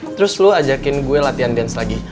terus lo ajakin gue latihan dance lagi